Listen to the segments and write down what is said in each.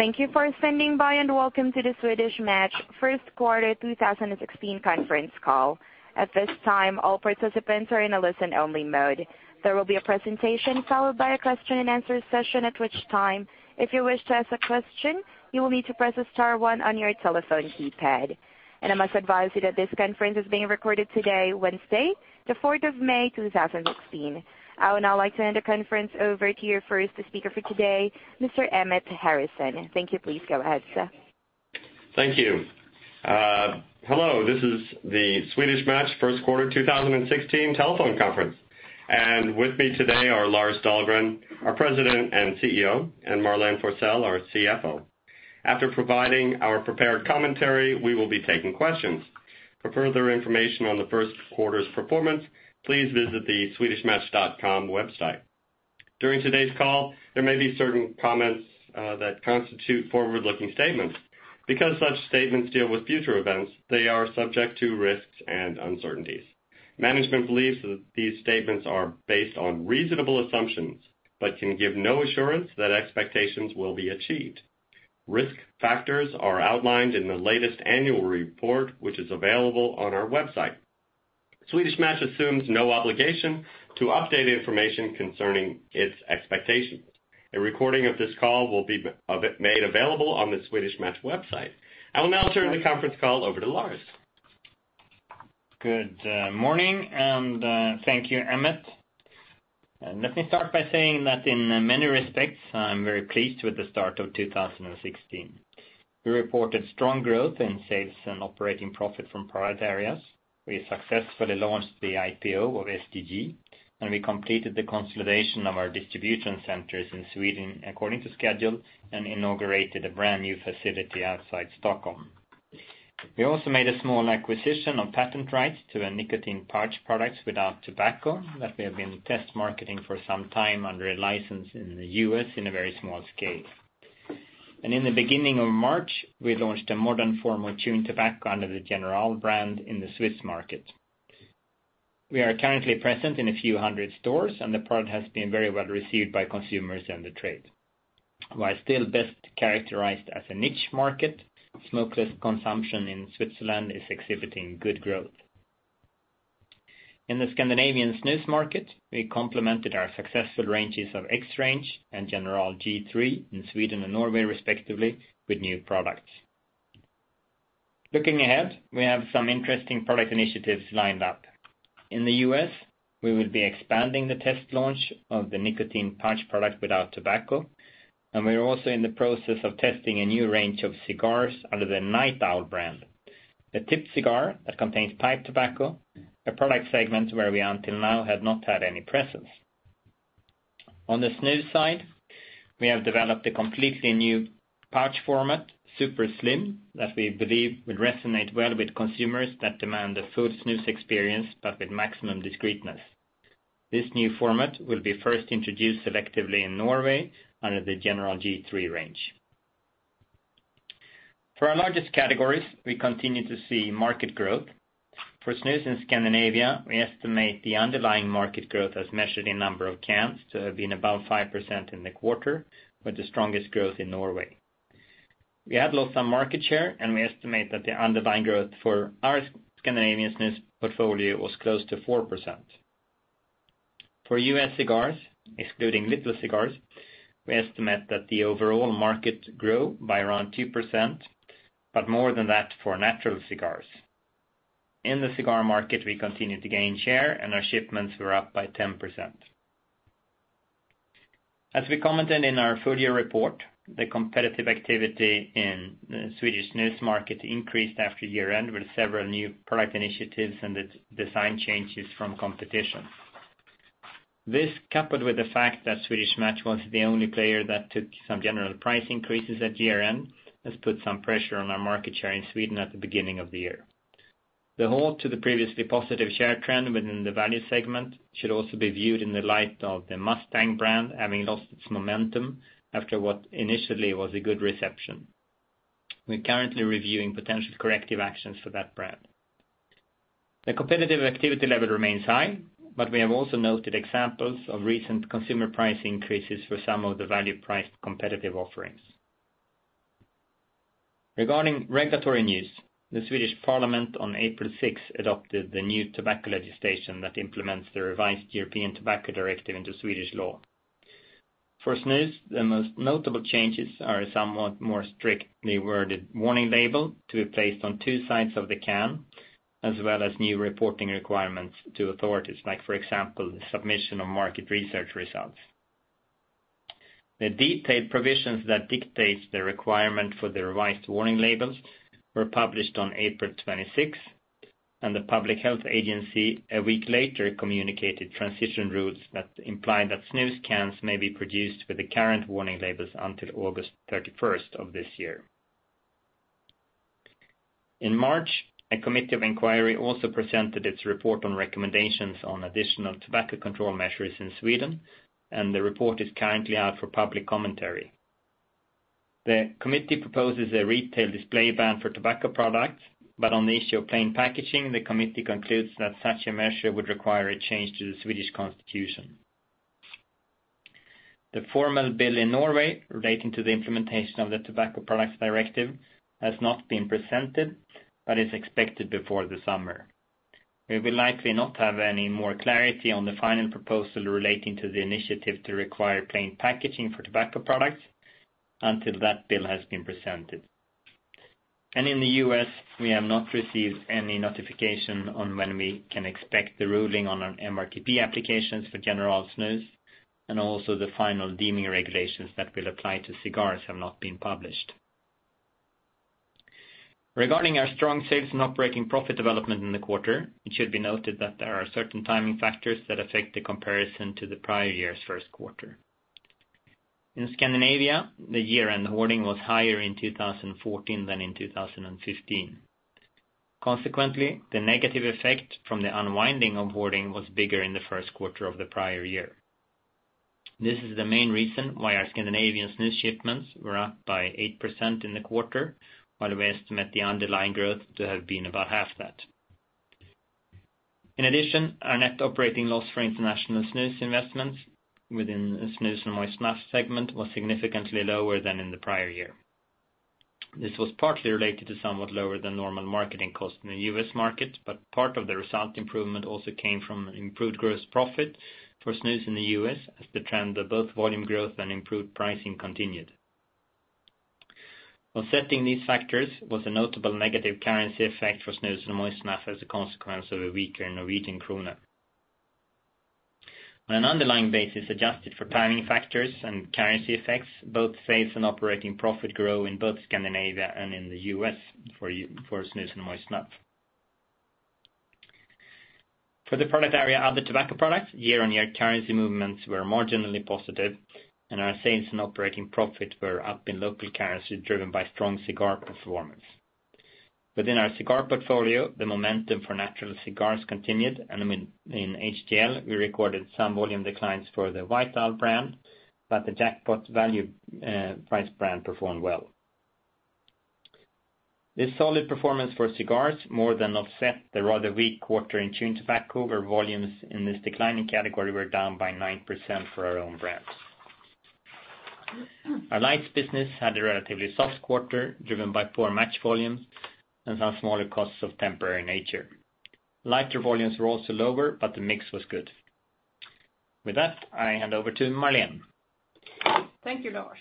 Thank you for standing by. Welcome to the Swedish Match First Quarter 2016 conference call. At this time, all participants are in a listen-only mode. There will be a presentation followed by a question-and-answer session, at which time, if you wish to ask a question, you will need to press star one on your telephone keypad. I must advise you that this conference is being recorded today, Wednesday, the 4th of May, 2016. I would now like to hand the conference over to your first speaker for today, Mr. Emmett Harrison. Thank you. Please go ahead, sir. Thank you. Hello, this is the Swedish Match First Quarter 2016 telephone conference. With me today are Lars Dahlgren, our President and CEO, and Marlene Forsell, our CFO. After providing our prepared commentary, we will be taking questions. For further information on the first quarter's performance, please visit the swedishmatch.com website. During today's call, there may be certain comments that constitute forward-looking statements. Because such statements deal with future events, they are subject to risks and uncertainties. Management believes that these statements are based on reasonable assumptions but can give no assurance that expectations will be achieved. Risk factors are outlined in the latest annual report, which is available on our website. Swedish Match assumes no obligation to update information concerning its expectations. A recording of this call will be made available on the Swedish Match website. I will now turn the conference call over to Lars. Good morning. Thank you, Emmett. Let me start by saying that in many respects, I'm very pleased with the start of 2016. We reported strong growth in sales and operating profit from product areas. We successfully launched the IPO of STG, and we completed the consolidation of our distribution centers in Sweden according to schedule and inaugurated a brand-new facility outside Stockholm. We also made a small acquisition of patent rights to a nicotine pouch product without tobacco that we have been test marketing for some time under a license in the U.S. in a very small scale. In the beginning of March, we launched a modern form of chew bags under the General brand in the Swiss market. We are currently present in a few hundred stores, and the product has been very well received by consumers and the trade. While still best characterized as a niche market, smokeless consumption in Switzerland is exhibiting good growth. In the Scandinavian snus market, we complemented our successful ranges of XRANGE and General G3 in Sweden and Norway, respectively, with new products. Looking ahead, we have some interesting product initiatives lined up. In the U.S., we will be expanding the test launch of the nicotine pouch product without tobacco, and we are also in the process of testing a new range of cigars under the Night Owl brand. The tipped cigar that contains pipe tobacco, a product segment where we until now had not had any presence. On the snus side, we have developed a completely new pouch format, Super Slim, that we believe would resonate well with consumers that demand the full snus experience, but with maximum discreetness. This new format will be first introduced selectively in Norway under the General G3 range. For our largest categories, we continue to see market growth. For snus in Scandinavia, we estimate the underlying market growth as measured in number of cans to have been about 5% in the quarter, with the strongest growth in Norway. We have lost some market share, and we estimate that the underlying growth for our Scandinavian snus portfolio was close to 4%. For U.S. cigars, excluding little cigars, we estimate that the overall market grew by around 2%, but more than that for natural cigars. In the cigar market, we continued to gain share, and our shipments were up by 10%. As we commented in our full-year report, the competitive activity in the Swedish snus market increased after year-end with several new product initiatives and design changes from competition. This, coupled with the fact that Swedish Match was the only player that took some general price increases at year-end, has put some pressure on our market share in Sweden at the beginning of the year. The halt to the previously positive share trend within the value segment should also be viewed in the light of the Mustang brand having lost its momentum after what initially was a good reception. We're currently reviewing potential corrective actions for that brand. The competitive activity level remains high, but we have also noted examples of recent consumer price increases for some of the value-priced competitive offerings. Regarding regulatory news, the Swedish Parliament on April 6th adopted the new tobacco legislation that implements the revised European Tobacco Directive into Swedish law. For snus, the most notable changes are a somewhat more strictly worded warning label to be placed on two sides of the can, as well as new reporting requirements to authorities like, for example, the submission of market research results. The detailed provisions that dictates the requirement for the revised warning labels were published on April 26th, and the Public Health Agency a week later communicated transition routes that imply that snus cans may be produced with the current warning labels until August 31st of this year. In March, a committee of inquiry also presented its report on recommendations on additional tobacco control measures in Sweden, and the report is currently out for public commentary. The committee proposes a retail display ban for tobacco products, but on the issue of plain packaging, the committee concludes that such a measure would require a change to the Swedish Constitution. The formal bill in Norway relating to the implementation of the Tobacco Products Directive has not been presented, but is expected before the summer. We will likely not have any more clarity on the final proposal relating to the initiative to require plain packaging for tobacco products until that bill has been presented. In the U.S., we have not received any notification on when we can expect the ruling on our MRTP applications for General snus, and also the final deeming regulations that will apply to cigars have not been published. Regarding our strong sales and operating profit development in the quarter, it should be noted that there are certain timing factors that affect the comparison to the prior year's first quarter. In Scandinavia, the year-end hoarding was higher in 2014 than in 2015. Consequently, the negative effect from the unwinding of hoarding was bigger in the first quarter of the prior year. This is the main reason why our Scandinavian snus shipments were up by 8% in the quarter, while we estimate the underlying growth to have been about half that. In addition, our net operating loss for international snus investments within the snus and moist snuff segment was significantly lower than in the prior year. This was partly related to somewhat lower than normal marketing costs in the US market, but part of the result improvement also came from improved gross profit for snus in the US as the trend of both volume growth and improved pricing continued. Offsetting these factors was a notable negative currency effect for snus and moist snuff as a consequence of a weaker Norwegian krone. On an underlying basis adjusted for timing factors and currency effects, both sales and operating profit grow in both Scandinavia and in the US for snus and moist snuff. For the product area other tobacco products, year-on-year currency movements were marginally positive, and our sales and operating profit were up in local currency driven by strong cigar performance. Within our cigar portfolio, the momentum for natural cigars continued, and in HTL, we recorded some volume declines for the Vital brand, but the Jackpot value price brand performed well. This solid performance for cigars more than offset the rather weak quarter in chewing tobacco, where volumes in this declining category were down by 9% for our own brands. Our lights business had a relatively soft quarter, driven by poor match volumes and some smaller costs of temporary nature. Lighter volumes were also lower, but the mix was good. With that, I hand over to Marlene. Thank you, Lars.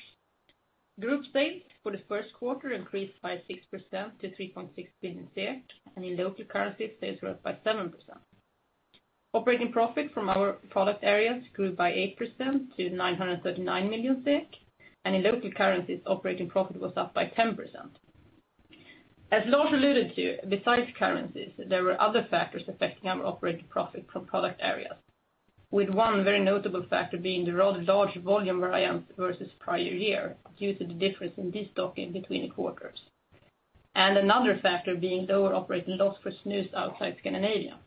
Group sales for the first quarter increased by 6% to 3.6 billion, and in local currency, sales were up by 7%. Operating profit from our product areas grew by 8% to 939 million, and in local currencies, operating profit was up by 10%. As Lars alluded to, besides currencies, there were other factors affecting our operating profit from product areas, with one very notable factor being the rather large volume variance versus prior year due to the difference in destocking between the quarters. Another factor being lower operating loss for snus outside Scandinavia.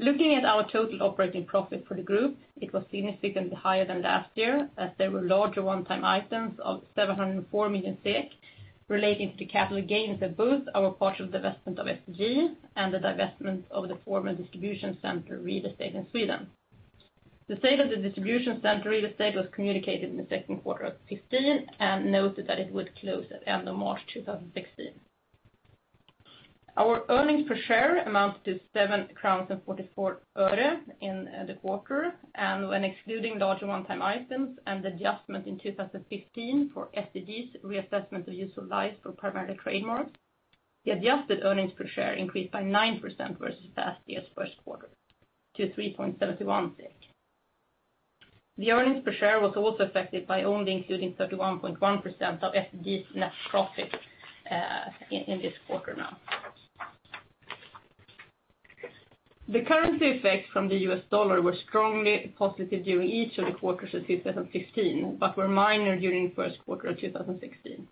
Looking at our total operating profit for the group, it was significantly higher than last year as there were larger one-time items of 704 million relating to capital gains at both our partial divestment of STG and the divestment of the former distribution center real estate in Sweden. The sale of the distribution center real estate was communicated in the second quarter of 2015 and noted that it would close at end of March 2016. Our earnings per share amounted to 7.44 crowns in the quarter, and when excluding larger one-time items and adjustment in 2015 for STG's reassessment of useful life for primary trademarks, the adjusted earnings per share increased by 9% versus last year's first quarter to 3.71. The earnings per share was also affected by only including 31.1% of STG's net profit in this quarter now. The currency effects from the US dollar were strongly positive during each of the quarters of 2015 but were minor during the first quarter of 2016.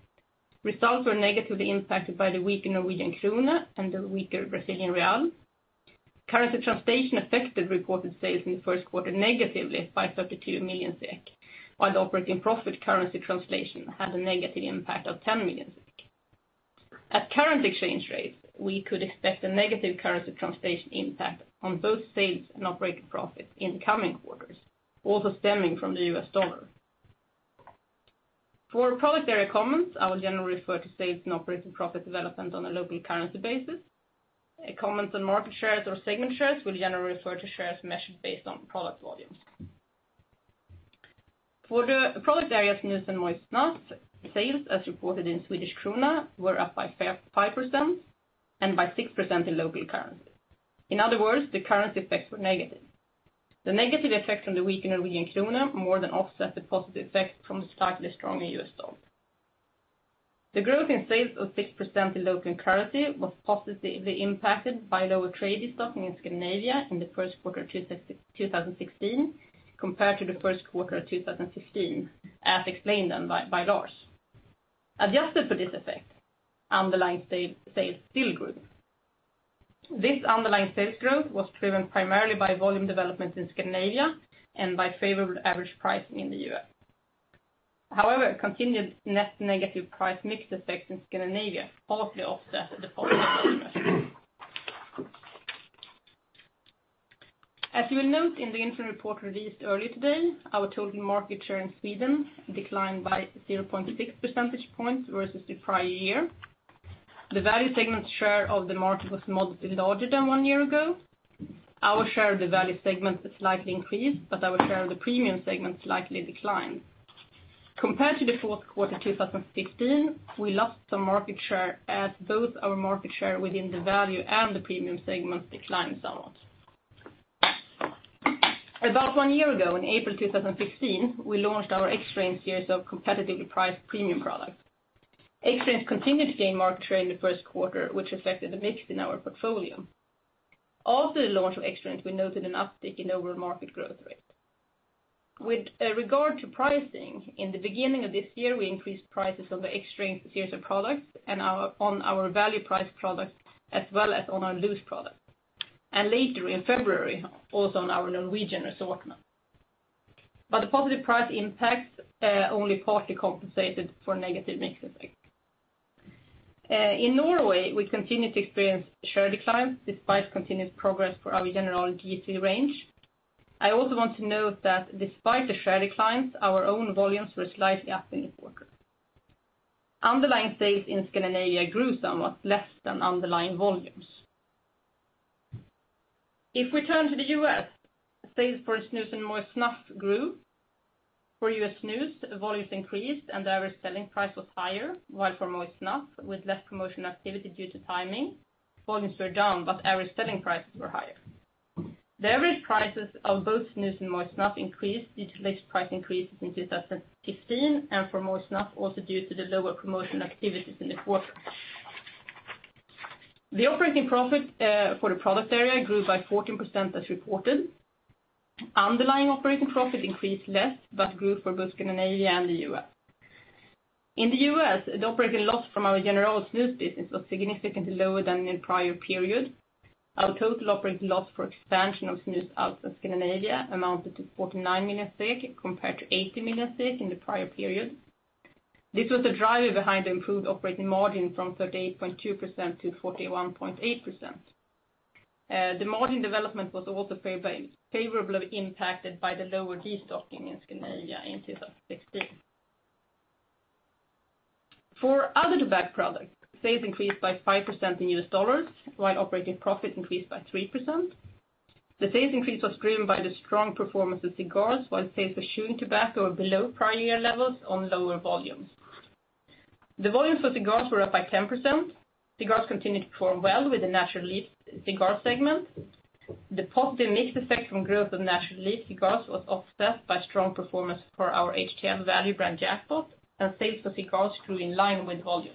Results were negatively impacted by the weaker Norwegian krone and the weaker Brazilian real. Currency translation affected reported sales in the first quarter negatively by 32 million SEK, while operating profit currency translation had a negative impact of 10 million SEK. At current exchange rates, we could expect a negative currency translation impact on both sales and operating profit in the coming quarters, also stemming from the US dollar. For product area comments, I will generally refer to sales and operating profit development on a local currency basis. Comments on market shares or segment shares will generally refer to shares measured based on product volumes. For the product areas snus and moist snuff, sales as reported in Swedish krona were up by 5% and by 6% in local currency. In other words, the currency effects were negative. The negative effect from the weaker Norwegian krone more than offset the positive effect from the slightly stronger US dollar. The growth in sales of 6% in local currency was positively impacted by lower trade destocking in Scandinavia in the first quarter of 2016 compared to the first quarter of 2015, as explained then by Lars. Adjusted for this effect, underlying sales still grew. This underlying sales growth was driven primarily by volume development in Scandinavia and by favorable average pricing in the U.S. However, continued net negative price mix effect in Scandinavia partly offset the positive volume growth. As you will note in the interim report released earlier today, our total market share in Sweden declined by 0.6 percentage points versus the prior year. The value segment share of the market was moderately larger than one year ago. Our share of the value segment slightly increased, but our share of the premium segment slightly declined. Compared to the fourth quarter 2015, we lost some market share as both our market share within the value and the premium segments declined somewhat. About one year ago, in April 2015, we launched our XRANGE series of competitively priced premium products. XRANGE continued to gain market share in the first quarter, which affected the mix in our portfolio. After the launch of XRANGE, we noted an uptick in overall market growth rate. With regard to pricing, in the beginning of this year, we increased prices on the XRANGE series of products and on our value priced products, as well as on our loose products. Later in February, also on our Norwegian assortment. The positive price impacts only partly compensated for negative mix effect. In Norway, we continue to experience share decline despite continued progress for our General G.3 range. I also want to note that despite the share declines, our own volumes were slightly up in this quarter. Underlying sales in Scandinavia grew somewhat less than underlying volumes. If we turn to the U.S., sales for snus and moist snuff grew. For U.S. snus, volumes increased and the average selling price was higher, while for moist snuff, with less promotional activity due to timing, volumes were down but average selling prices were higher. The average prices of both snus and moist snuff increased due to late price increases in 2015, and for moist snuff, also due to the lower promotional activities in the quarter. The operating profit for the product area grew by 14% as reported. Underlying operating profit increased less but grew for both Scandinavia and the U.S. In the U.S., the operating loss from our General snus business was significantly lower than in prior periods. Our total operating loss for expansion of snus out of Scandinavia amounted to 49 million, compared to 80 million in the prior period. This was the driver behind the improved operating margin from 38.2% to 41.8%. The margin development was also favorably impacted by the lower destocking in Scandinavia in 2016. For other tobacco products, sales increased by 5% in U.S. dollars, while operating profit increased by 3%. The sales increase was driven by the strong performance of cigars while sales for chewing tobacco were below prior year levels on lower volumes. The volumes for cigars were up by 10%. Cigars continued to perform well with the natural leaf cigar segment. The positive mix effect from growth of natural leaf cigars was offset by strong performance for our HTL value brand Jackpot. Sales for cigars grew in line with volumes.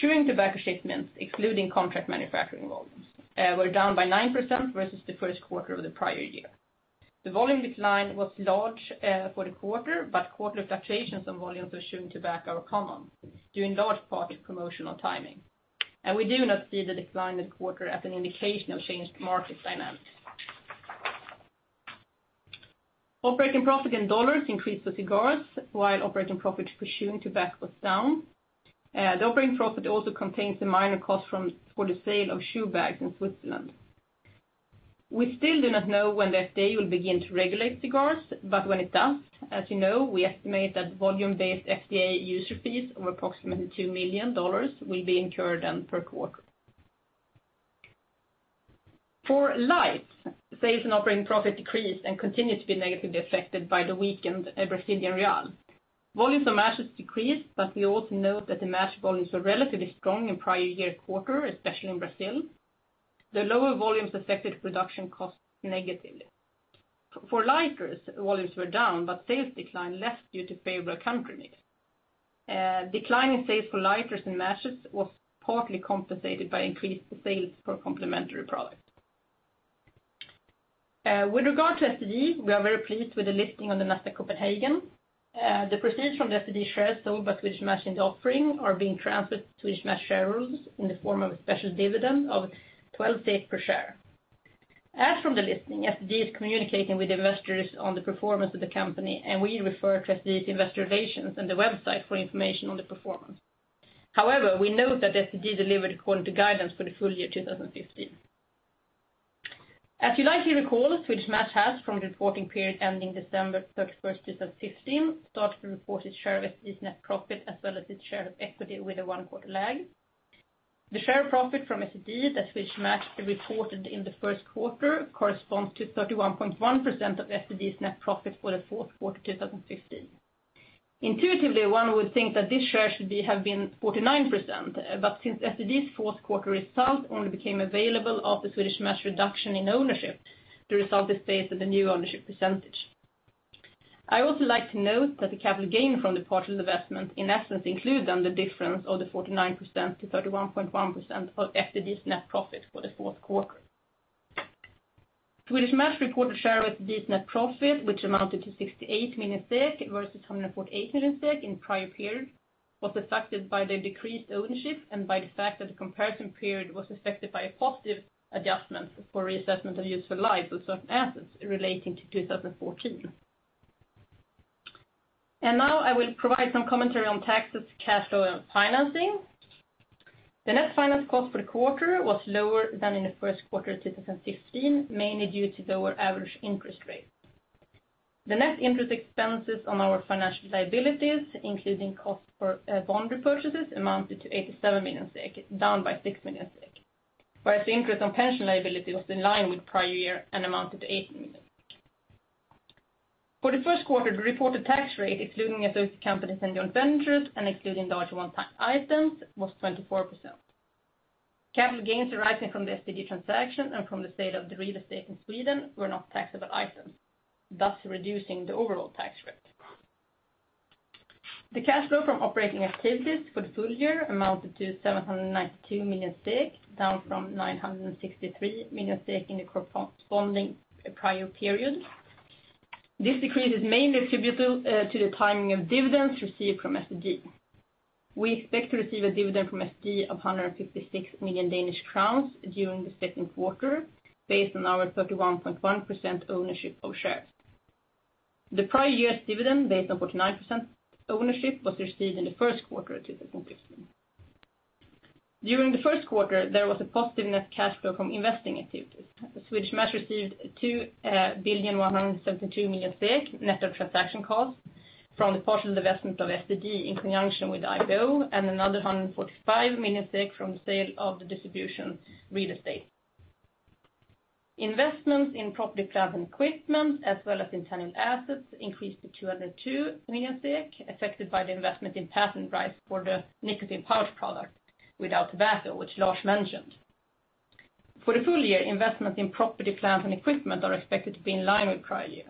Chewing tobacco shipments, excluding contract manufacturing volumes, were down by 9% versus the first quarter of the prior year. The volume decline was large for the quarter, but quarter fluctuations on volumes of chewing tobacco are common due in large part to promotional timing. We do not see the decline in the quarter as an indication of changed market dynamics. Operating profit in U.S. dollars increased for cigars while operating profit for chewing tobacco was down. The operating profit also contains a minor cost for the sale of chew bags in Switzerland. We still do not know when the FDA will begin to regulate cigars, but when it does, as you know, we estimate that volume-based FDA user fees of approximately $2 million will be incurred on per quarter. For lighters, sales and operating profit decreased and continue to be negatively affected by the weakened Brazilian real. Volumes of matches decreased. We also note that the match volumes were relatively strong in prior year quarter, especially in Brazil. The lower volumes affected production costs negatively. For lighters, volumes were down. Sales declined less due to favorable country mix. Decline in sales for lighters and matches was partly compensated by increased sales for complementary products. With regard to STG, we are very pleased with the listing on the Nasdaq Copenhagen. The proceeds from the STG shares sold by Swedish Match in the offering are being transferred to Swedish Match shareholders in the form of a special dividend of 12 per share. From the listing, STG is communicating with investors on the performance of the company. We refer to STG's investor relations and the website for information on the performance. However, we note that STG delivered according to guidance for the full year 2015. As you likely recall, Swedish Match has from the reporting period ending December 31st, 2015, started to report its share of STG's net profit as well as its share of equity with a one quarter lag. The share of profit from STG that Swedish Match reported in the first quarter corresponds to 31.1% of STG's net profit for the fourth quarter 2015. Intuitively, one would think that this share should have been 49%, but since STG's fourth quarter result only became available after Swedish Match reduction in ownership, the result is based on the new ownership percentage. I also like to note that the capital gain from the partial divestment in essence includes then the difference of the 49% to 31.1% of STG's net profit for the fourth quarter. Swedish Match reported a share of STG's net profit, which amounted to 68 million versus 148 million in the prior period. It was affected by the decreased ownership and by the fact that the comparison period was affected by a positive adjustment for reassessment of useful lives of certain assets relating to 2014. Now I will provide some commentary on taxes, cash flow and financing. The net finance cost for the quarter was lower than in the first quarter of 2016, mainly due to lower average interest rates. The net interest expenses on our financial liabilities, including cost for bond repurchases, amounted to 87 million, down by 6 million. Whereas the interest on pension liability was in line with prior year and amounted to 8 million. For the first quarter, the reported tax rate, excluding associated companies and joint ventures, and excluding larger one-time items, was 24%. Capital gains arising from the STG transaction and from the sale of the real estate in Sweden were not taxable items, thus reducing the overall tax rate. The cash flow from operating activities for the full year amounted to 792 million, down from 963 million in the corresponding prior period. This decrease is mainly attributable to the timing of dividends received from STG. We expect to receive a dividend from STG of 156 million Danish crowns during the second quarter, based on our 31.1% ownership of shares. The prior year's dividend, based on 49% ownership, was received in the first quarter of 2015. During the first quarter, there was a positive net cash flow from investing activities. Swedish Match received 2,172,000,000 net of transaction costs from the partial divestment of STG in conjunction with IPO and another 145 million from the sale of the distribution real estate. Investments in property, plant, and equipment, as well as intangible assets, increased to 202 million, affected by the investment in patent rights for the nicotine pouch product without tobacco, which Lars mentioned. For the full year, investment in property, plant, and equipment are expected to be in line with prior year.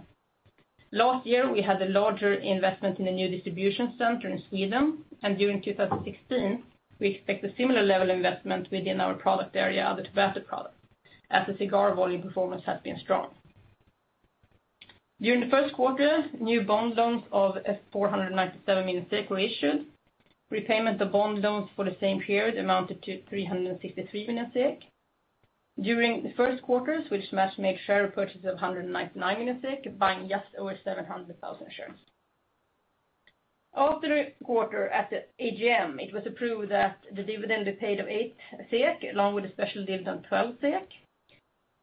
Last year, we had a larger investment in the new distribution center in Sweden, and during 2016, we expect a similar level investment within our product area of the tobacco product, as the cigar volume performance has been strong. During the first quarter, new bond loans of 497 million were issued. Repayment of bond loans for the same period amounted to 363 million SEK. During the first quarter, Swedish Match made share purchases of 199 million SEK, buying just over 700,000 shares. After the quarter, at the AGM, it was approved that the dividend be paid of 8, along with a special dividend of 12.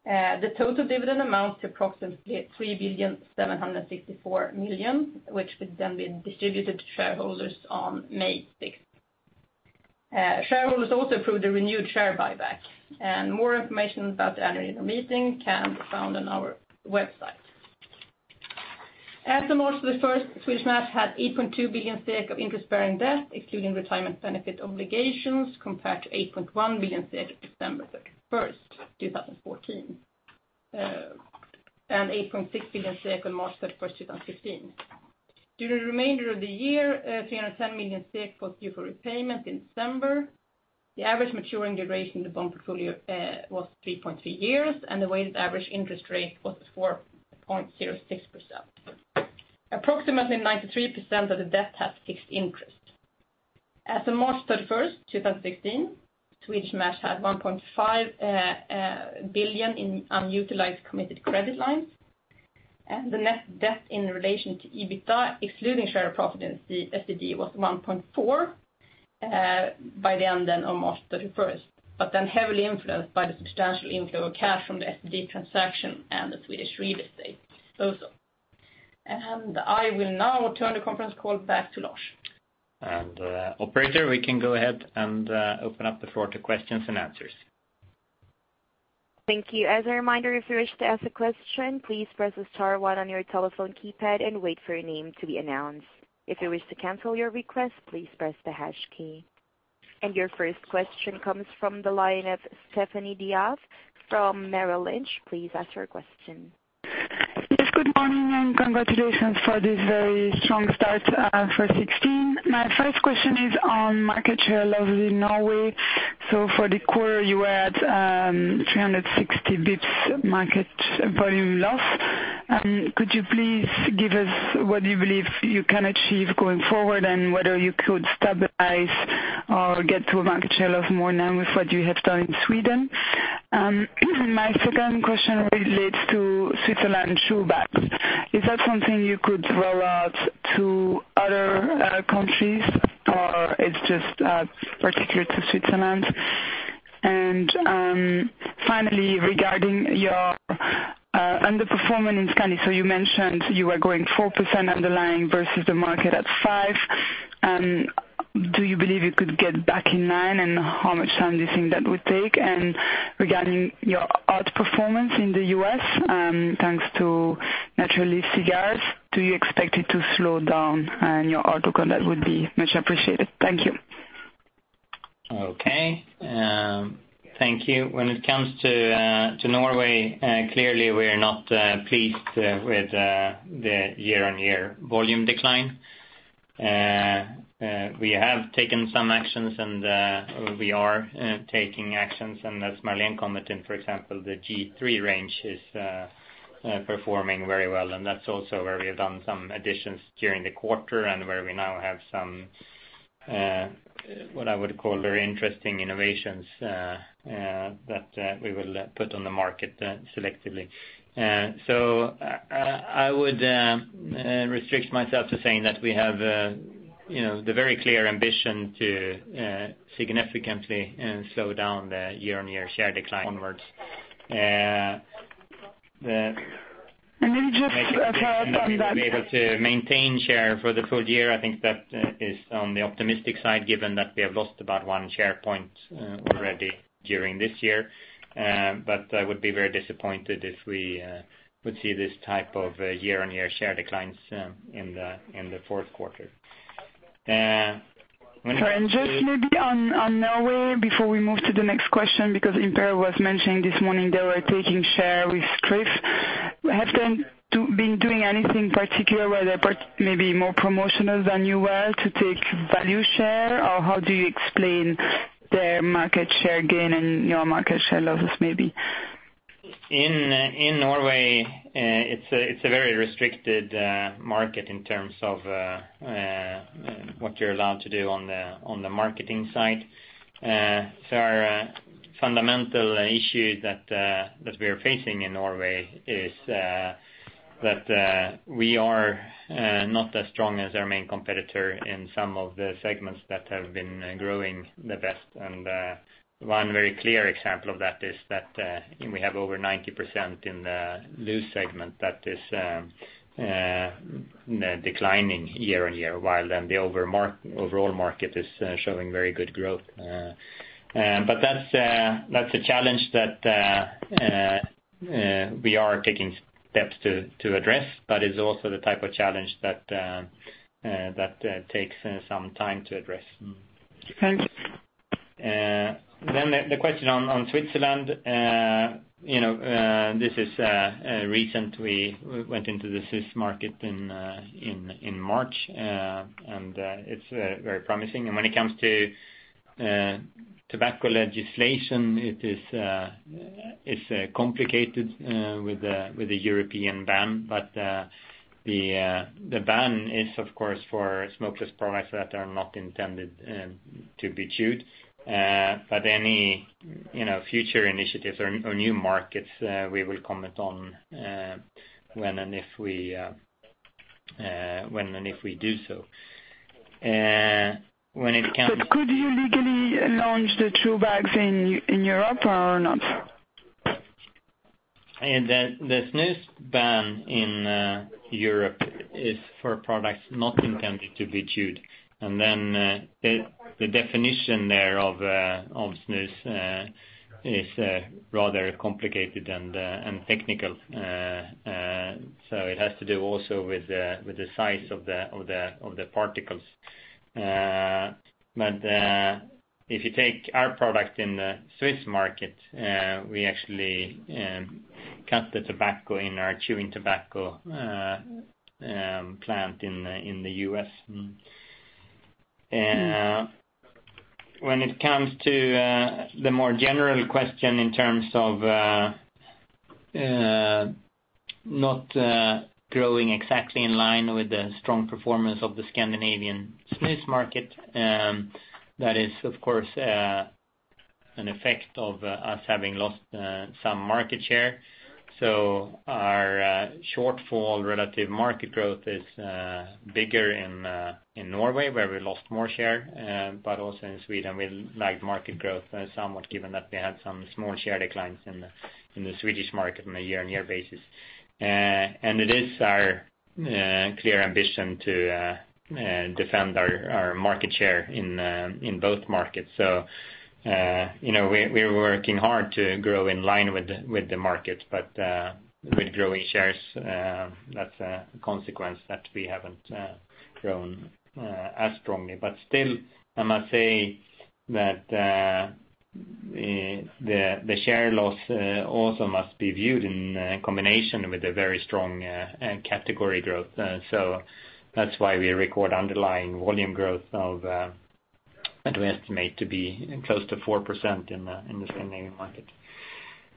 The total dividend amounts to approximately 3,764,000,000, which has been distributed to shareholders on May 6th. Shareholders also approved a renewed share buyback. More information about the annual meeting can be found on our website. As of March 1st, Swedish Match had 8.2 billion of interest-bearing debt, excluding retirement benefit obligations, compared to 8.1 billion of December 31st, 2014, and 8.6 billion on March 31st, 2015. During the remainder of the year, 310 million was due for repayment in December. The average maturing duration of the bond portfolio was 3.3 years, and the weighted average interest rate was 4.06%. Approximately 93% of the debt has fixed interest. As of March 31st, 2016, Swedish Match had 1.5 billion in unutilized committed credit lines. The net debt in relation to EBITDA, excluding share profit in the STG, was 1.4 by then on March 31st, but heavily influenced by the substantial inflow of cash from the STG transaction and the Swedish real estate also. I will now turn the conference call back to Lars. Operator, we can go ahead and open up the floor to questions and answers. Thank you. As a reminder, if you wish to ask a question, please press the star one on your telephone keypad and wait for your name to be announced. If you wish to cancel your request, please press the hash key. Your first question comes from the line of Stephanie Diath from Merrill Lynch. Please ask your question. Yes, good morning, and congratulations for this very strong start for 2016. My first question is on market share loss in Norway. For the quarter, you were at 360 basis points market volume loss. Could you please give us what you believe you can achieve going forward and whether you could stabilize or get to a market share loss more now with what you have done in Sweden? My second question relates to Switzerland chew bags. Is that something you could roll out to other countries, or it's just particular to Switzerland? Finally, regarding your underperformance in Scandi, you mentioned you were growing 4% underlying versus the market at 5%. Do you believe you could get back in line, and how much time do you think that would take? Regarding your outperformance in the U.S., thanks to Natural Leaf cigars, do you expect it to slow down? Your outlook on that would be much appreciated. Thank you. Okay. Thank you. When it comes to Norway, clearly we are not pleased with the year-on-year volume decline. We have taken some actions. We are taking actions. As Marlene commented, for example, the G3 range is performing very well. That's also where we have done some additions during the quarter and where we now have some what I would call very interesting innovations that we will put on the market selectively. I would restrict myself to saying that we have the very clear ambition to significantly slow down the year-on-year share decline onwards. Maybe just to clarify that. To be able to maintain share for the full year, I think that is on the optimistic side, given that we have lost about one share point already during this year. I would be very disappointed if we would see this type of year-on-year share declines in the fourth quarter. Sorry, just maybe on Norway before we move to the next question, because Imperial was mentioning this morning they were taking share with Skruf. Have they been doing anything particular, were they maybe more promotional than you were to take value share, or how do you explain their market share gain and your market share losses maybe? In Norway, it's a very restricted market in terms of what you're allowed to do on the marketing side. Our fundamental issue that we are facing in Norway is that we are not as strong as our main competitor in some of the segments that have been growing the best. One very clear example of that is that we have over 90% in the loose segment that is declining year-on-year, while the overall market is showing very good growth. That's a challenge that we are taking steps to address but is also the type of challenge that takes some time to address. Thanks. The question on Switzerland, this is recent. We went into the Swiss market in March, it's very promising. When it comes to tobacco legislation, it's complicated with the European ban. The ban is, of course, for smokeless products that are not intended to be chewed. Any future initiatives or new markets we will comment on when and if we do so. Could you legally launch the chew bags in Europe or not? The snus ban in Europe is for products not intended to be chewed. The definition there of snus is rather complicated and technical. It has to do also with the size of the particles. If you take our product in the Swiss market, we actually cut the tobacco in our chewing tobacco plant in the U.S. When it comes to the more general question in terms of not growing exactly in line with the strong performance of the Scandinavian snus market, that is, of course, an effect of us having lost some market share. Our shortfall relative market growth is bigger in Norway, where we lost more share. Also in Sweden, we lagged market growth somewhat, given that we had some small share declines in the Swedish market on a year-on-year basis. It is our clear ambition to defend our market share in both markets. We're working hard to grow in line with the market, but with growing shares, that's a consequence that we haven't grown as strongly. Still, I must say that the share loss also must be viewed in combination with the very strong category growth. That's why we record underlying volume growth of, and we estimate to be close to 4% in the Scandinavian market.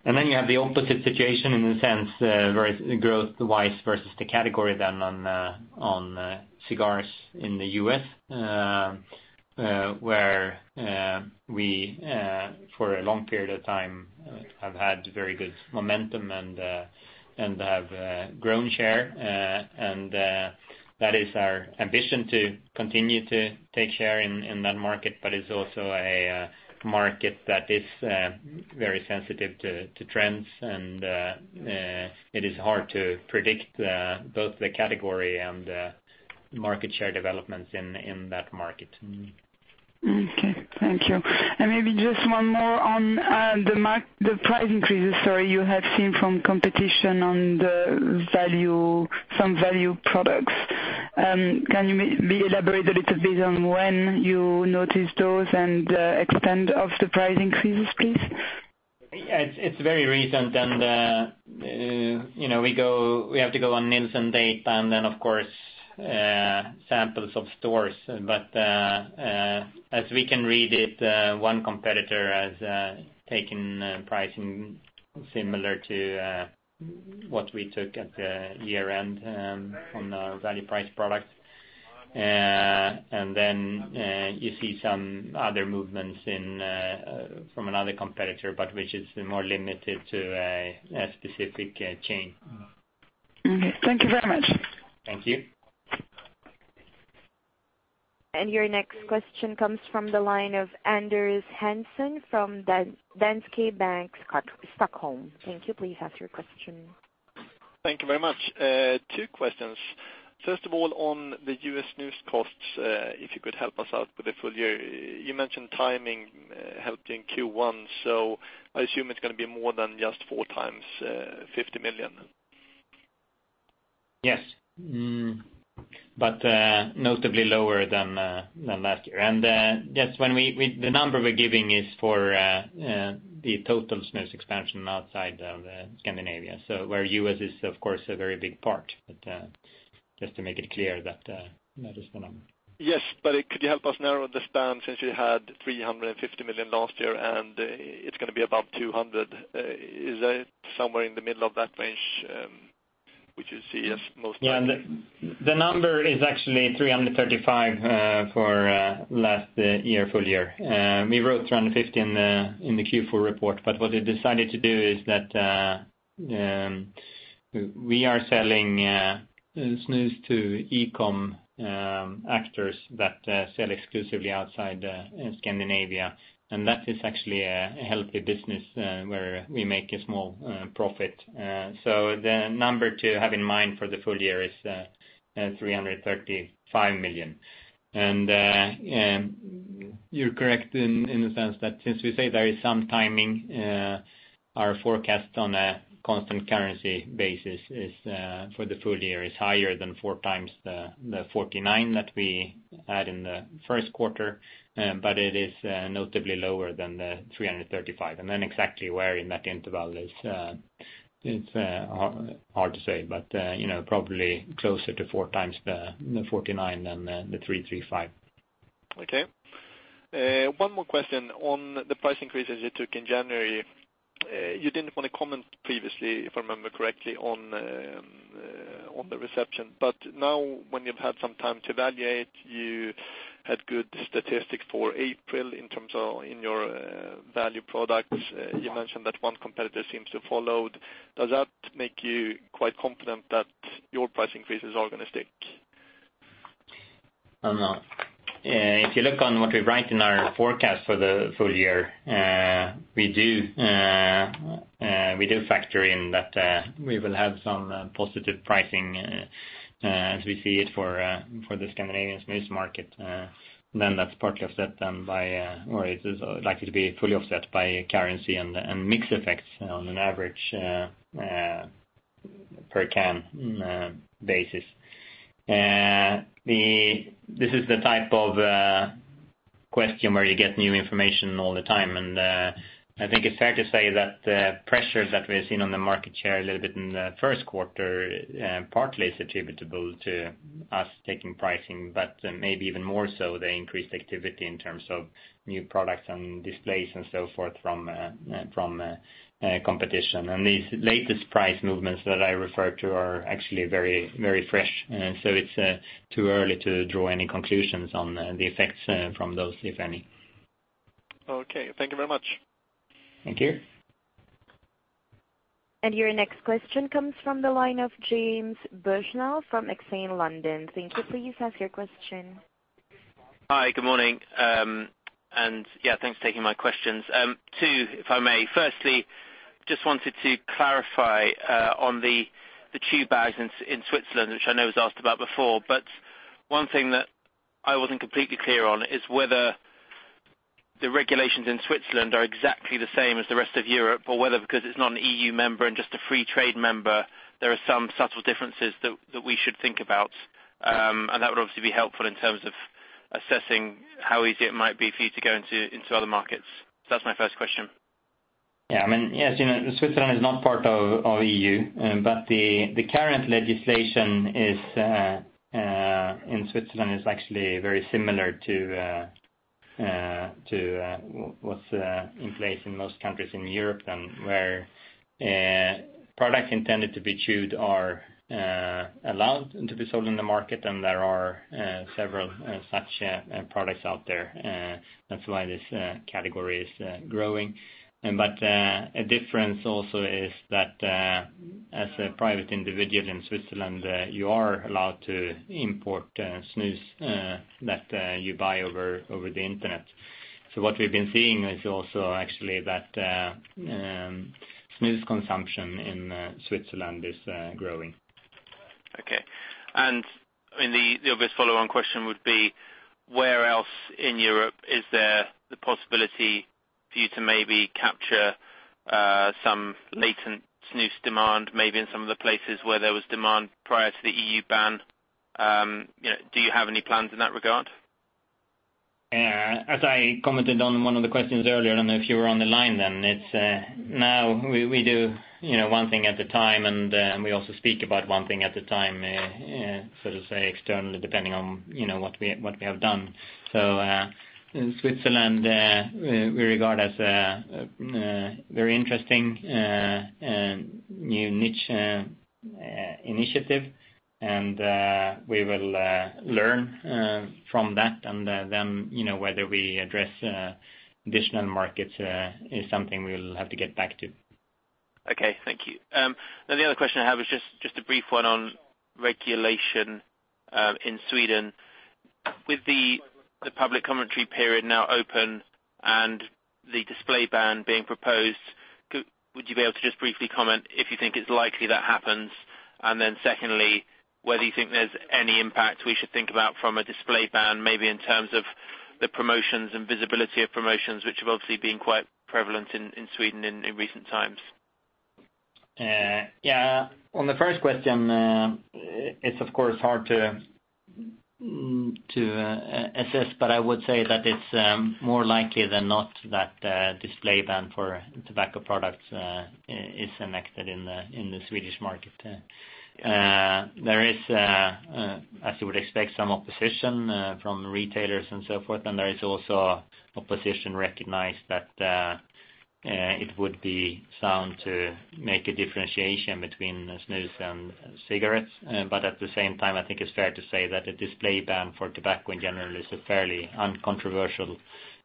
You have the opposite situation in a sense, growth-wise versus the category then on cigars in the U.S., where we, for a long period of time, have had very good momentum and have grown share. That is our ambition to continue to take share in that market, it's also a market that is very sensitive to trends, it is hard to predict both the category and the market share developments in that market. Okay. Thank you. Maybe just one more on the price increases, sorry, you have seen from competition on some value products. Can you maybe elaborate a little bit on when you noticed those and the extent of the price increases, please? It's very recent, and we have to go on Nielsen data and then, of course, samples of stores. As we can read it, one competitor has taken pricing similar to what we took at the year-end on the value price products. Then you see some other movements from another competitor, but which is more limited to a specific chain. Okay. Thank you very much. Thank you. Your next question comes from the line of Anders Larsson from Danske Bank, Stockholm. Thank you. Please ask your question. Thank you very much. Two questions. First of all, on the U.S. snus costs, if you could help us out with the full year. You mentioned timing helped in Q1, so I assume it's going to be more than just four times 50 million. Yes. Notably lower than last year. Yes, the number we're giving is for the total snus expansion outside of Scandinavia. So where U.S. is, of course, a very big part, but just to make it clear that that is the number. Yes, could you help us narrow the span since you had 350 million last year, and it's going to be above 200. Is that somewhere in the middle of that range, which is [snus] most likely? Yeah, the number is actually 335 for last year, full year. We wrote 350 in the Q4 report. What we decided to do is that we are selling snus to e-com actors that sell exclusively outside Scandinavia, and that is actually a healthy business, where we make a small profit. The number to have in mind for the full year is 335 million. You're correct in the sense that since we say there is some timing, our forecast on a constant currency basis for the full year is higher than four times the 49 that we had in the first quarter. It is notably lower than the 335. Exactly where in that interval is hard to say, but probably closer to four times the 49 than the 335. Okay. One more question on the price increases you took in January. You didn't want to comment previously, if I remember correctly, on the reception. Now, when you've had some time to evaluate, you had good statistics for April in terms of in your value products. You mentioned that one competitor seems to have followed. Does that make you quite confident that your price increase is all going to stick? No. If you look on what we write in our forecast for the full year, we do factor in that we will have some positive pricing as we see it for the Scandinavian snus market. That's partly offset then by, or it is likely to be fully offset by currency and mix effects on an average per can basis. This is the type of question where you get new information all the time, and I think it's fair to say that pressures that we've seen on the market share a little bit in the first quarter partly is attributable to us taking pricing, but maybe even more so the increased activity in terms of new products and displays and so forth from competition. These latest price movements that I referred to are actually very fresh. It's too early to draw any conclusions on the effects from those, if any. Okay. Thank you very much. Thank you. Your next question comes from the line of James Bushnell from Exane London. Thank you. Please ask your question. Hi, good morning. Yeah, thanks for taking my questions. Two, if I may. Firstly, just wanted to clarify on the chew bags in Switzerland, which I know was asked about before, but one thing that I wasn't completely clear on is whether the regulations in Switzerland are exactly the same as the rest of Europe or whether because it's not an EU member and just a free trade member, there are some subtle differences that we should think about. That would obviously be helpful in terms of assessing how easy it might be for you to go into other markets. That's my first question. Yeah. Switzerland is not part of the EU, but the current legislation in Switzerland is actually very similar to what's in place in most countries in Europe, and where product intended to be chewed are allowed to be sold in the market, and there are several such products out there. That's why this category is growing. A difference also is that as a private individual in Switzerland, you are allowed to import snus that you buy over the Internet. What we've been seeing is also actually that snus consumption in Switzerland is growing. Okay. The obvious follow-on question would be where else in Europe is there the possibility for you to maybe capture some latent snus demand, maybe in some of the places where there was demand prior to the EU ban? Do you have any plans in that regard? As I commented on one of the questions earlier, I don't know if you were on the line then. It's now we do one thing at a time, we also speak about one thing at a time, so to say, externally, depending on what we have done. Switzerland we regard as a very interesting new niche initiative, we will learn from that. Whether we address additional markets is something we'll have to get back to. Okay, thank you. The other question I have is just a brief one on regulation in Sweden. With the public commentary period now open and the display ban being proposed, would you be able to just briefly comment if you think it's likely that happens? Secondly, whether you think there's any impact we should think about from a display ban, maybe in terms of the promotions and visibility of promotions, which have obviously been quite prevalent in Sweden in recent times. Yeah. On the first question, it's of course hard to assess, but I would say that it's more likely than not that display ban for tobacco products is enacted in the Swedish market. There is, as you would expect, some opposition from retailers and so forth, and there is also opposition recognized that it would be sound to make a differentiation between snus and cigarettes. At the same time, I think it's fair to say that a display ban for tobacco in general is a fairly uncontroversial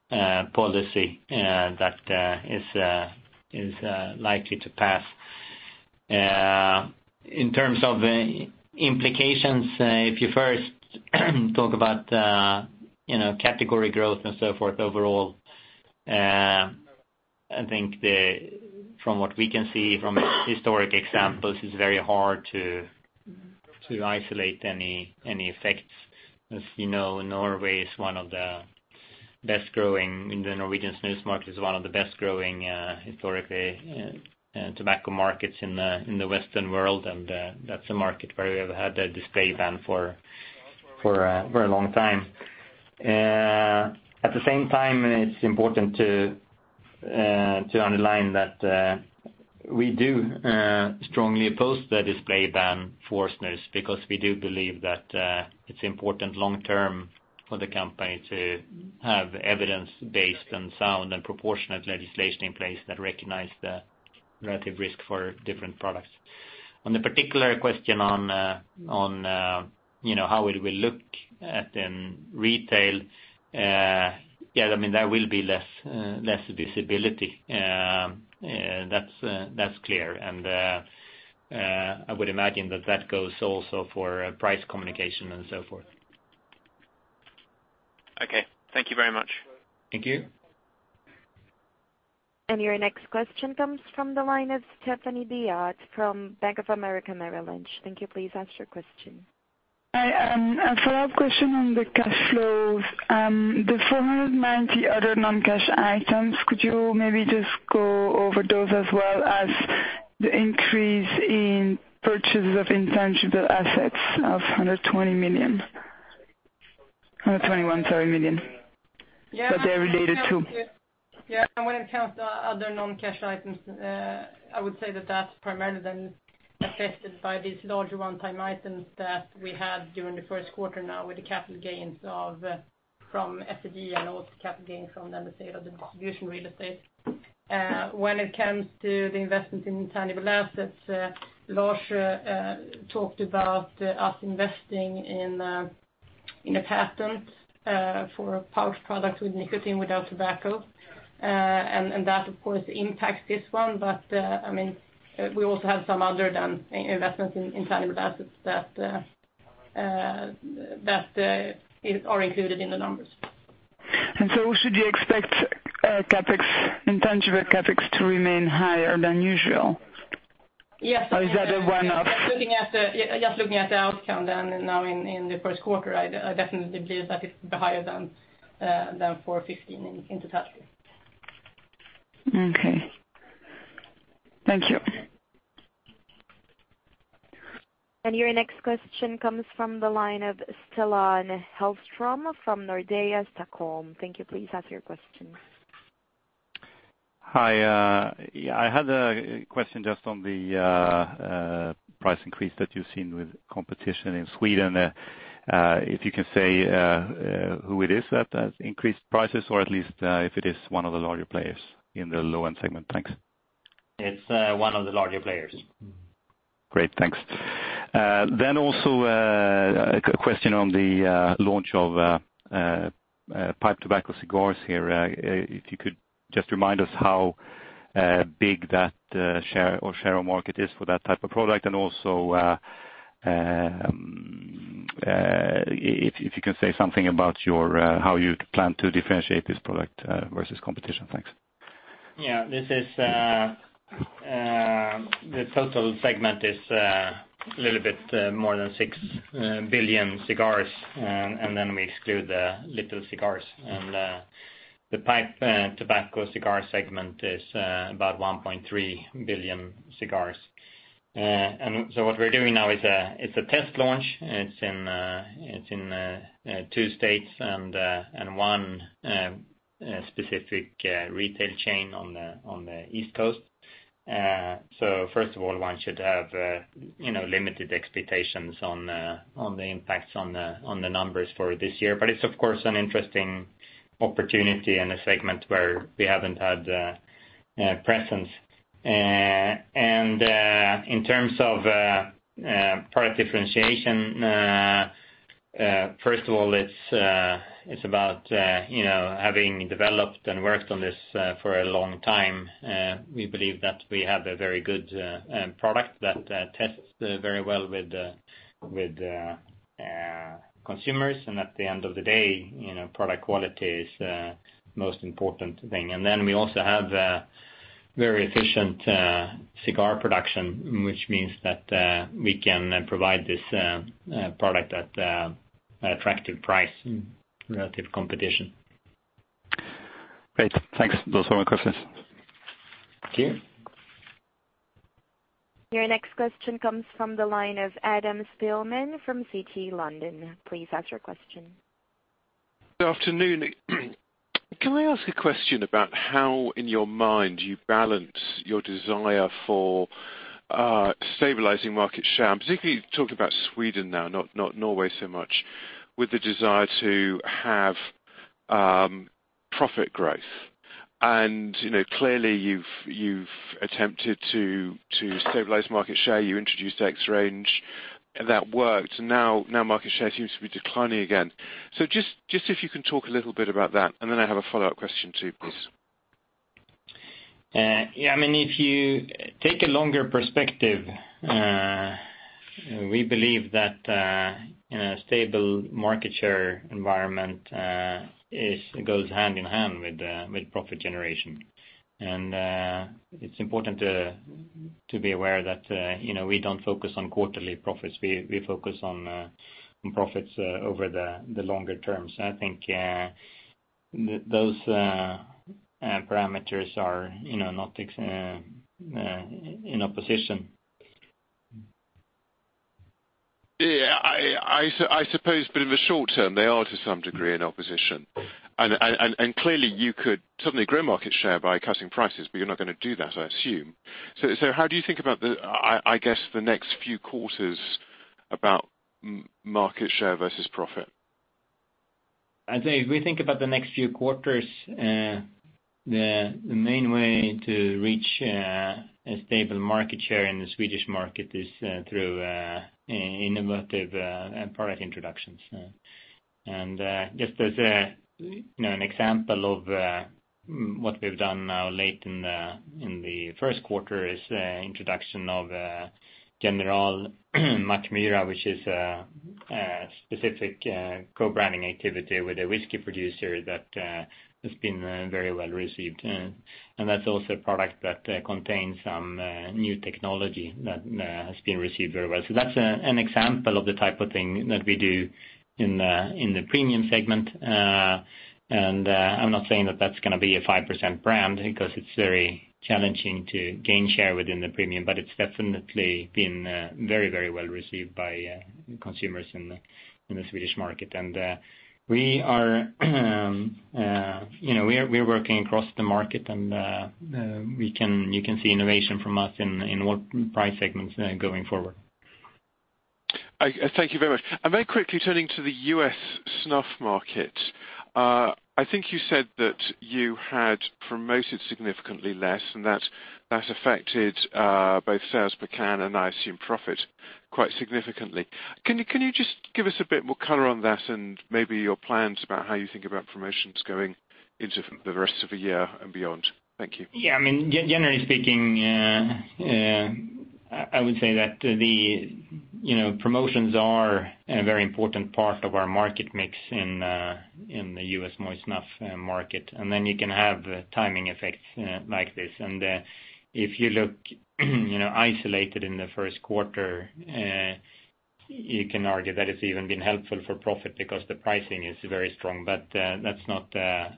policy that is likely to pass. In terms of implications, if you first talk about category growth and so forth overall, I think from what we can see from historic examples, it's very hard to isolate any effects. As you know, the Norwegian snus market is one of the best growing, historically, tobacco markets in the Western world, and that's a market where we have had a display ban for a very long time. At the same time, it's important to underline that we do strongly oppose the display ban for snus because we do believe that it's important long term for the company to have evidence-based and sound and proportionate legislation in place that recognize the relative risk for different products. On the particular question on how it will look at in retail, there will be less visibility. That's clear, and I would imagine that goes also for price communication and so forth. Okay. Thank you very much. Thank you. Your next question comes from the line of Stéphanie D'Ath from Bank of America Merrill Lynch. Thank you. Please ask your question. Hi. A follow-up question on the cash flows. The 490 other non-cash items, could you maybe just go over those as well as the increase in purchases of intangible assets of 120 million? 121, sorry, million. What they are related to? When it comes to other non-cash items, I would say that that's primarily then affected by these larger one-time items that we had during the first quarter now with the capital gains from FD and also the capital gain from the sale of the distribution real estate. When it comes to the investment in intangible assets, Lars talked about us investing in a patent for a pouch product with nicotine without tobacco. That, of course, impacts this one. We also have some other investments in intangible assets that are included in the numbers. Should you expect intangible CapEx to remain higher than usual? Yes. Is that a one-off? Just looking at the outcome then now in the first quarter, I definitely believe that it's higher than 415 million in totality. Okay. Thank you. Your next question comes from the line of Stellan Hellström from Nordea Stockholm. Thank you. Please ask your question. Hi. I had a question just on the price increase that you've seen with competition in Sweden. If you can say who it is that has increased prices or at least if it is one of the larger players in the low-end segment. Thanks. It's one of the larger players. Great, thanks. Also a question on the launch of pipe tobacco cigars here. If you could just remind us how big that share or share of market is for that type of product and also, if you can say something about how you plan to differentiate this product versus competition. Thanks. Yeah. The total segment is a little bit more than 6 billion cigars. Then we exclude the little cigars. The pipe tobacco cigar segment is about 1.3 billion cigars. What we're doing now is a test launch. It's in two states and one specific retail chain on the East Coast. First of all, one should have limited expectations on the impacts on the numbers for this year. It's of course an interesting opportunity and a segment where we haven't had a presence. In terms of product differentiation, first of all, it's about having developed and worked on this for a long time. We believe that we have a very good product that tests very well with consumers. At the end of the day, product quality is the most important thing. We also have very efficient cigar production, which means that we can then provide this product at an attractive price relative competition. Great. Thanks. Those are my questions. Thank you. Your next question comes from the line of Adam Spielman from Citi London. Please ask your question. Good afternoon. Can I ask a question about how, in your mind, you balance your desire for stabilizing market share, I'm particularly talking about Sweden now, not Norway so much, with the desire to have profit growth? Clearly, you've attempted to stabilize market share. You introduced XRANGE, and that worked, and now market share seems to be declining again. Just if you can talk a little bit about that, and then I have a follow-up question too, please. Yeah. If you take a longer perspective, we believe that a stable market share environment goes hand-in-hand with profit generation. It's important to be aware that we don't focus on quarterly profits. We focus on profits over the longer term. I think those parameters are not in opposition. Yeah. I suppose, in the short term, they are to some degree in opposition. Clearly, you could suddenly grow market share by cutting prices, but you're not going to do that, I assume. How do you think about, I guess, the next few quarters about market share versus profit? I'd say if we think about the next few quarters, the main way to reach a stable market share in the Swedish market is through innovative product introductions. Just as an example of what we've done now late in the first quarter is the introduction of General Mackmyra, which is a specific co-branding activity with a whiskey producer that has been very well-received. That's also a product that contains some new technology that has been received very well. That's an example of the type of thing that we do in the premium segment. I'm not saying that that's going to be a 5% brand because it's very challenging to gain share within the premium, but it's definitely been very, very well received by consumers in the Swedish market. We are working across the market, and you can see innovation from us in what price segments going forward. Thank you very much. Very quickly turning to the U.S. snuff market. I think you said that you had promoted significantly less, and that affected both sales per can, and I assume profit quite significantly. Can you just give us a bit more color on that and maybe your plans about how you think about promotions going into the rest of the year and beyond? Thank you. Yeah. Generally speaking, I would say that the promotions are a very important part of our market mix in the U.S. moist snuff market. Then you can have timing effects like this. If you look isolated in the first quarter, you can argue that it's even been helpful for profit because the pricing is very strong. That's not a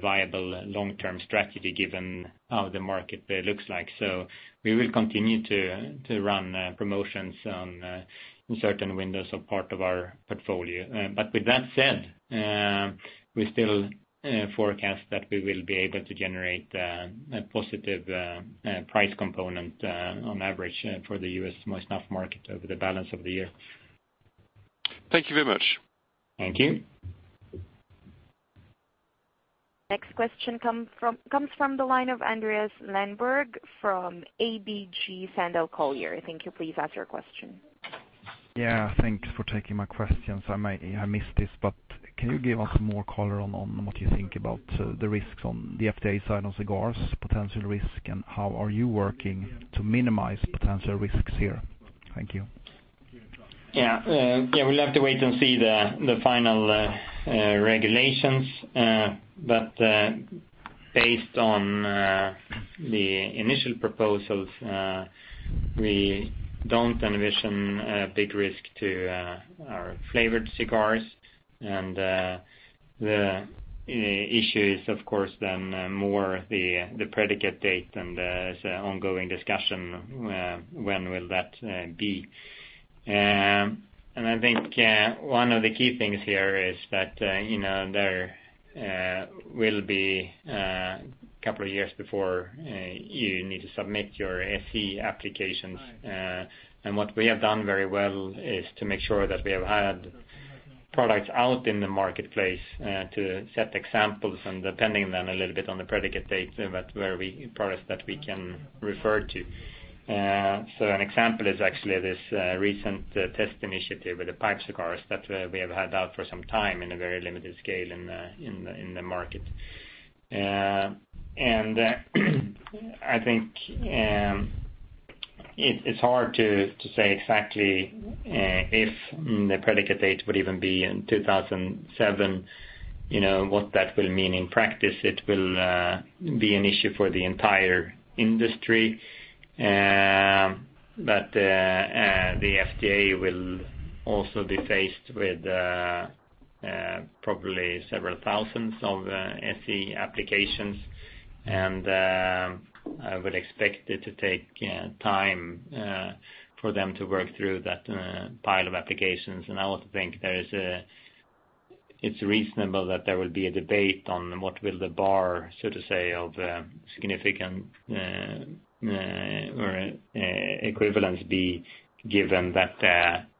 viable long-term strategy given how the market looks like. We will continue to run promotions in certain windows of part of our portfolio. With that said, we still forecast that we will be able to generate a positive price component on average for the U.S. moist snuff market over the balance of the year. Thank you very much. Thank you. Next question comes from the line of Andreas Lundberg from ABG Sundal Collier. Thank you. Please ask your question. Yeah. Thanks for taking my questions. I missed this, but can you give us more color on what you think about the risks on the FDA side on cigars, potential risk, and how are you working to minimize potential risks here? Thank you. Yeah. We will have to wait and see the final regulations. Based on the initial proposals, we do not envision a big risk to our flavored cigars. The issue is, of course, then more the predicate date and the ongoing discussion, when will that be. I think one of the key things here is that there will be a couple of years before you need to submit your SE applications. What we have done very well is to make sure that we have had products out in the marketplace to set examples and depending them a little bit on the predicate date, but where products that we can refer to. So an example is actually this recent test initiative with the pipe cigars that we have had out for some time in a very limited scale in the market. I think it's hard to say exactly if the predicate date would even be in 2007. What that will mean in practice, it will be an issue for the entire industry. The FDA will also be faced with probably several thousands of SE applications, and I would expect it to take time for them to work through that pile of applications. I also think it's reasonable that there will be a debate on what will the bar, so to say, of significant or equivalence be, given that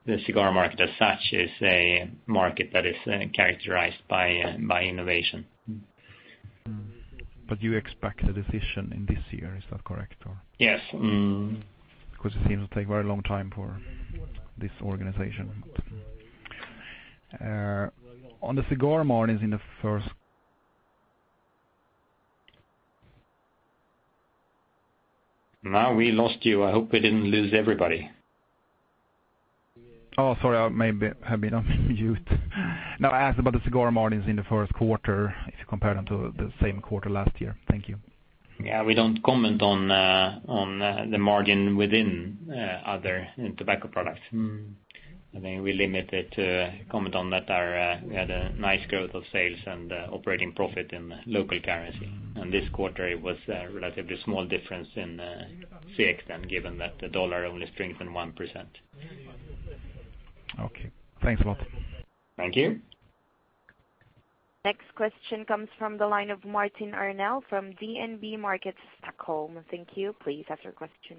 the cigar market as such is a market that is characterized by innovation. You expect a decision in this year, is that correct or? Yes. It seems to take very long time for this organization. Now we lost you. I hope we didn't lose everybody. Oh, sorry. I may have been on mute. No, I asked about the cigar margins in the first quarter, if you compare them to the same quarter last year. Thank you. Yeah. We don't comment on the margin within other tobacco products. I think we limited comment on that. We had a nice growth of sales and operating profit in local currency. This quarter, it was a relatively small difference in FX than given that the dollar only strengthened 1%. Okay. Thanks a lot. Thank you. Next question comes from the line of Martin Arnell from DNB Markets Stockholm. Thank you. Please ask your question.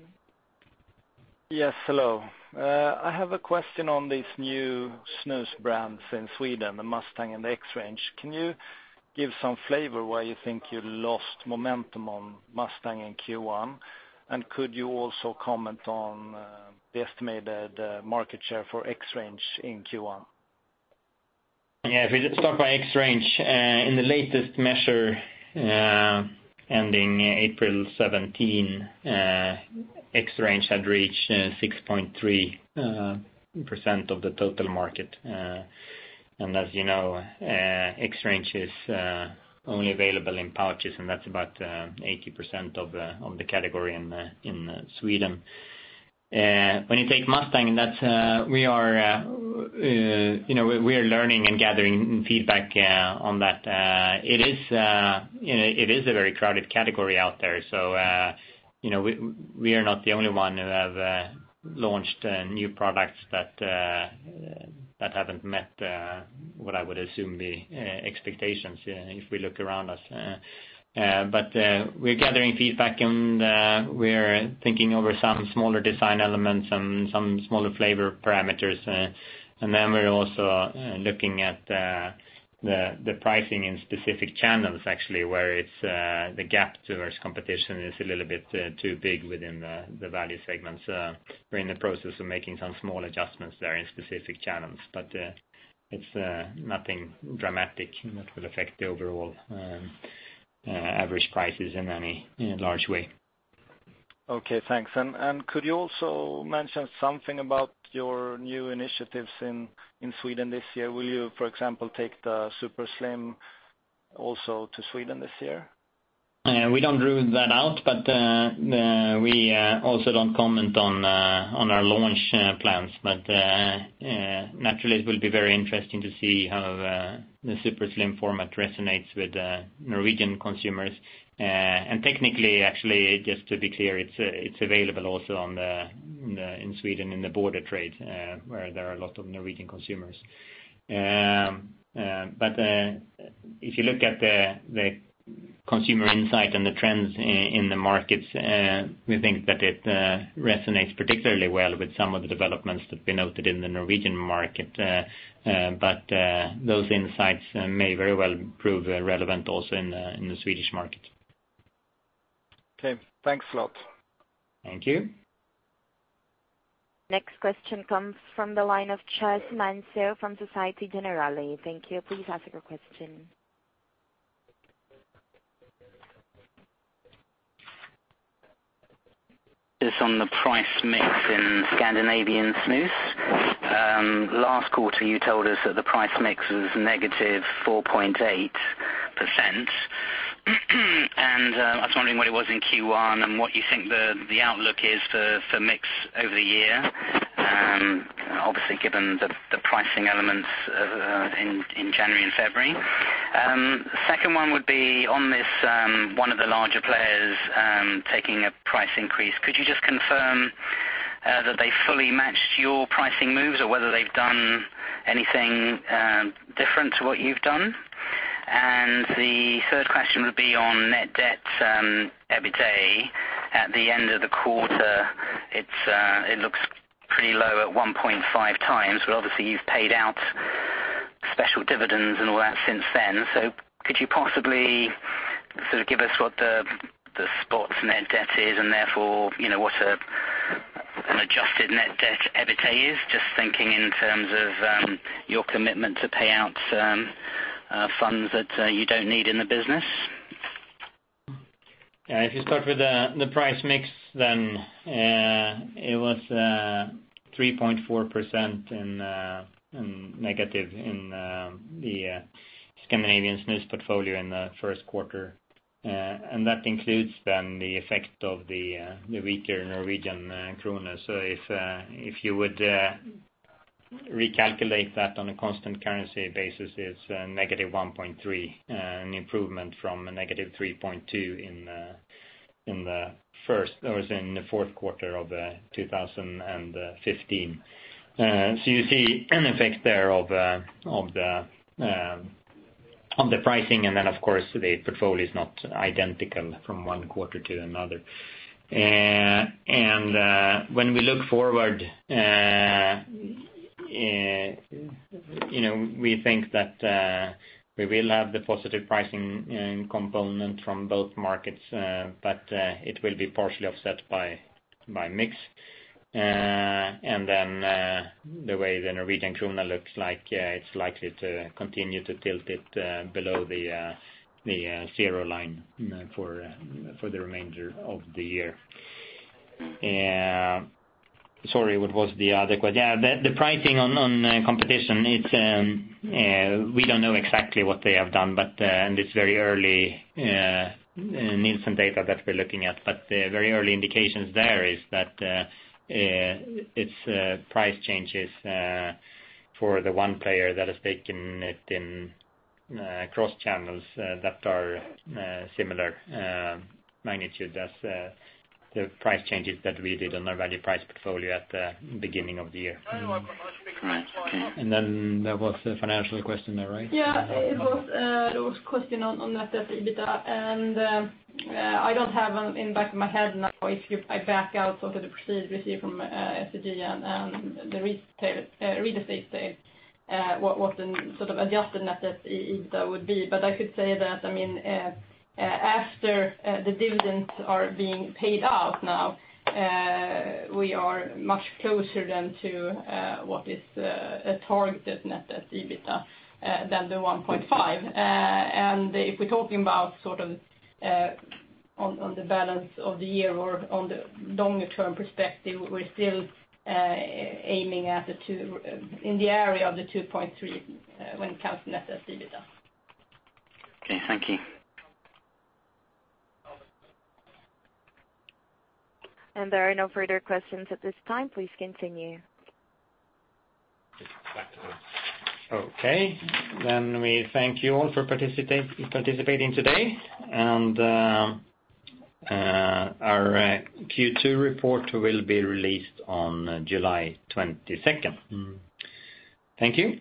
Yes, hello. I have a question on these new snus brands in Sweden, the Mustang and the XRANGE. Can you give some flavor why you think you lost momentum on Mustang in Q1? Could you also comment on the estimated market share for XRANGE in Q1? If we start by XRANGE, in the latest measure ending April 17, XRANGE had reached 6.3% of the total market. As you know, XRANGE is only available in pouches, and that's about 80% of the category in Sweden. When you take Mustang, we are learning and gathering feedback on that. It is a very crowded category out there, so we are not the only one who have launched new products that haven't met what I would assume the expectations if we look around us. We're gathering feedback, and we're thinking over some smaller design elements and some smaller flavor parameters. We're also looking at the pricing in specific channels, actually, where the gap towards competition is a little bit too big within the value segments. We're in the process of making some small adjustments there in specific channels, but it's nothing dramatic that will affect the overall average prices in any large way. Okay, thanks. Could you also mention something about your new initiatives in Sweden this year? Will you, for example, take the Super Slim also to Sweden this year? We don't rule that out, but we also don't comment on our launch plans. Naturally, it will be very interesting to see how the Super Slim format resonates with Norwegian consumers. Technically, actually, just to be clear, it's available also in Sweden in the border trade, where there are a lot of Norwegian consumers. If you look at the consumer insight and the trends in the markets, we think that it resonates particularly well with some of the developments that we noted in the Norwegian market. Those insights may very well prove relevant also in the Swedish market. Okay, thanks a lot. Thank you. Next question comes from the line of Charles de Lantsheere from Société Générale. Thank you. Please ask your question. Just on the price mix in Scandinavian snus. Last quarter, you told us that the price mix was negative 4.8%. I was wondering what it was in Q1 and what you think the outlook is for mix over the year, obviously given the pricing elements in January and February. Second one would be on this one of the larger players taking a price increase. Could you just confirm that they fully matched your pricing moves or whether they've done anything different to what you've done? The third question would be on net debt, EBITA. At the end of the quarter, it looks pretty low at 1.5 times, but obviously you've paid out special dividends and all that since then. So could you possibly sort of give us what the spot net debt is and therefore, what an adjusted net debt EBITA is? Just thinking in terms of your commitment to pay out funds that you don't need in the business. Yeah. If you start with the price mix, it was 3.4% in negative in the Scandinavian Snus portfolio in the first quarter. That includes the effect of the weaker Norwegian kroner. If you would recalculate that on a constant currency basis, it's negative 1.3%, an improvement from a negative 3.2% in the fourth quarter of 2015. You see an effect there of the pricing, and of course, the portfolio is not identical from one quarter to another. When we look forward, we think that we will have the positive pricing component from both markets. It will be partially offset by mix. The way the Norwegian kroner looks like, it's likely to continue to tilt it below the zero line for the remainder of the year. Sorry, what was the other question? Yeah, the pricing on competition, we don't know exactly what they have done, and it's very early Nielsen data that we're looking at. The very early indication there is that its price changes for the one player that has taken it in cross channels that are similar magnitude as the price changes that we did on our value price portfolio at the beginning of the year. Right. There was a financial question there, right? Yeah, it was a question on net EBITA. I don't have in the back of my head now if I back out sort of the proceed received from STG and the real estate sale, what the sort of adjusted net EBITA would be. I could say that, after the dividends are being paid out now, we are much closer to what is a targeted net EBITA than the 1.5. If we're talking about sort of on the balance of the year or on the longer term perspective, we're still aiming in the area of the 2.3 when it comes to net EBITA. Okay. Thank you. There are no further questions at this time. Please continue. It's back to us. Okay. We thank you all for participating today. Our Q2 report will be released on July 22nd. Thank you.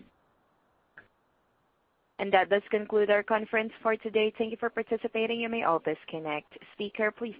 That does conclude our conference for today. Thank you for participating. May all disconnect. Speaker, please disconnect.